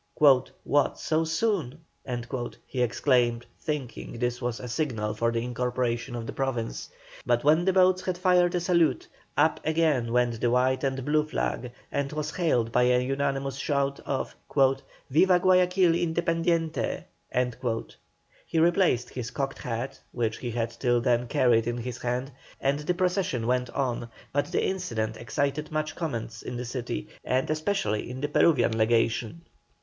"What, so soon!" he exclaimed, thinking this was a signal for the incorporation of the Province. But when the boats had fired a salute up again went the white and blue flag, and was hailed by a unanimous shout of, "Viva Guayaquil independiente!" He replaced his cocked hat, which he had till then carried in his hand, and the procession went on, but the incident excited much comment in the city, and especially in the Peruvian legation.